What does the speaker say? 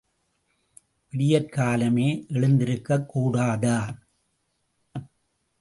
விடியற் காலமே எழுந்திருக்கக் கூடாதா?